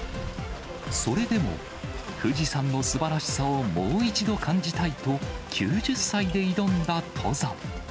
それでも富士山のすばらしさをもう一度感じたいと、９０歳で挑んだ登山。